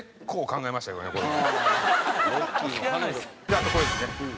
あとこれですね。